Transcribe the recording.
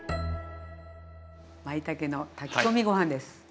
まいたけの炊き込みご飯です！